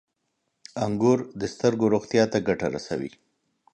• انګور د سترګو روغتیا ته ګټه رسوي.